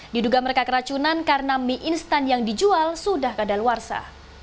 diduga mereka keracunan karena mie instan yang dijual sudah kadaluarsa